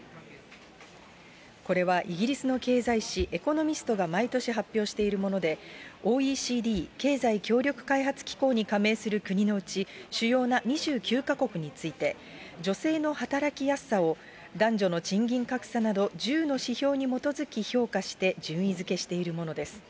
これはイギリスの経済誌、エコノミストが毎年発表しているもので、ＯＥＣＤ・経済協力開発機構に加盟する国のうち、主要な２９か国について、女性の働きやすさを、男女の賃金格差など１０の指標に基づき評価して順位づけしているものです。